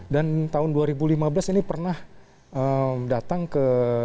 dan tahun dua ribu lima belas ini pernah datang ke